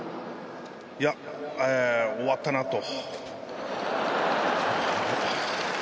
いや、終わったなと。